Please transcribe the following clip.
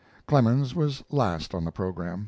Clemens was last on the program.